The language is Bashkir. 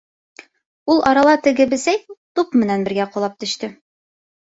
Ул арала теге бесәй туп менән бергә ҡолап төштө.